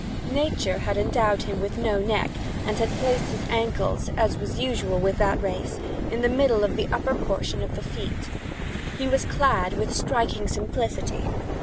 Nature had endowed him with no neck, and had placed his ankles (as usual with that race) in the middle of the upper portion of the feet. He was clad with a striking simplicity.